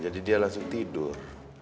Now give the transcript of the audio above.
jadi dia langsung tidur